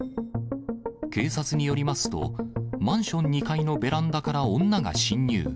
警察によりますと、マンション２階のベランダから女が侵入。